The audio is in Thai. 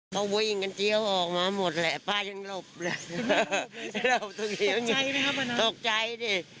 กลับกันคอนเซิร์ตหรือว่าชินแล้ว